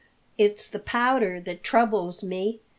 It's the powder that troubles me.